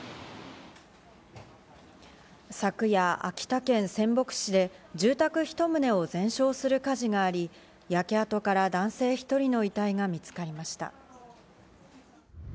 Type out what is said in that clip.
昨夜、秋田県仙北市で住宅１棟を全焼する火事があり、焼け跡から男性１人の遺体が見つかりました。